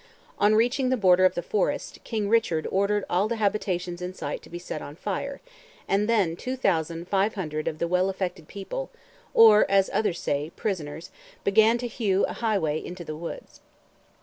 On reaching the border of the forest, King Richard ordered all the habitations in sight to be set on fire; and then "two thousand five hundred of the well affected people," or, as others say, prisoners, "began to hew a highway into the woods."